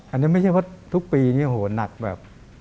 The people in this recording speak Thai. อันนี้ไม่ใช่ว่าทุกปีนี้โหหนักแบบ